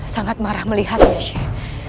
sangat marah melihatnya shay